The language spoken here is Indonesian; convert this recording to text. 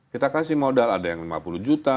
kita kasih modal ada yang lima puluh juta